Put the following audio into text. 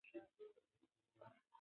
خو اسلام ددوی حال بدل کړ